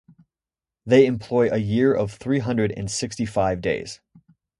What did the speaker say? They employ a year of three hundred and sixty-five days.